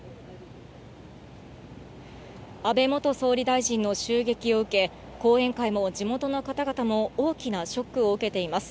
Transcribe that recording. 安倍元総理大臣の襲撃を受け、後援会も地元の方々も、大きなショックを受けています。